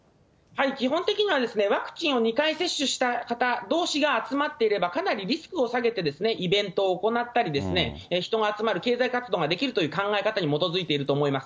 基本的にはワクチンを２回接種した方どうしが集まっていれば、かなりリスクを下げて、イベントを行ったり、人が集まる経済活動ができるという考え方に基づいていると思います。